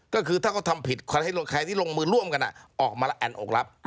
ก็คือถ้าเขาทำผิดใครที่ร่วมมือกันออกมาแอดโอคลับ